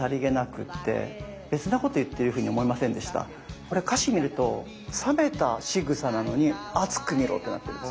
これ歌詞見ると「覚めたしぐさ」なのに「熱く見ろ」ってなってるんです。